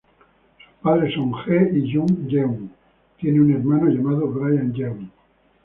Sus padres son Je y June Yeun, tiene un hermano llamado Brian Yeun.